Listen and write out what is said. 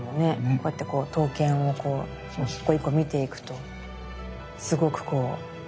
こうやってこう刀剣をこう一個一個見ていくとすごくこう何だろう。